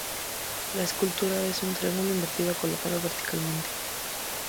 La escultura es un triángulo invertido colocado verticalmente.